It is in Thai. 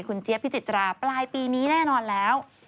คุณเจี๊ยบพิจิตราปลายปีนี้แน่นอนแล้ว